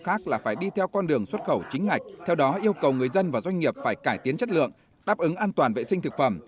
khác là phải đi theo con đường xuất khẩu chính ngạch theo đó yêu cầu người dân và doanh nghiệp phải cải tiến chất lượng đáp ứng an toàn vệ sinh thực phẩm